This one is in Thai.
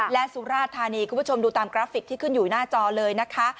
และสุราธานีคุณผู้ชมดูตามกราฟิกที่ขึ้นอยู่หน้าจอเลยนะคะ